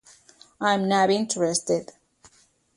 I'm not interested.